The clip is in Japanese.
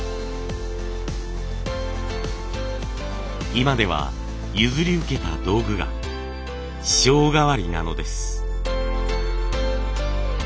今では譲り受けた道具が師匠代わりなのです。